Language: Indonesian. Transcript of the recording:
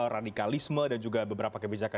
radikalisme dan juga beberapa kebijakan